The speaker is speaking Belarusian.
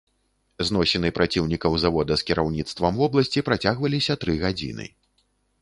Зносіны праціўнікаў завода з кіраўніцтвам вобласці працягваліся тры гадзіны.